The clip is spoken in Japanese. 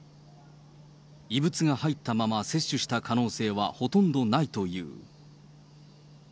異物が入ったまま接種した可能性はほとんどないという。